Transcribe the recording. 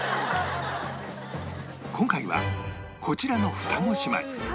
今回はこちらの双子姉妹